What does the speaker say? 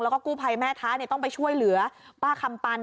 แล้วก็กู้ภัยแม่ท้าต้องไปช่วยเหลือป้าคำปัน